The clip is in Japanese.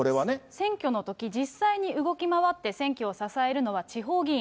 選挙のとき、実際に動き回って選挙を支えるのは地方議員。